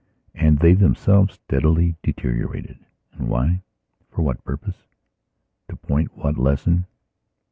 And they themselves steadily deteriorated. And why? For what purpose? To point what lesson?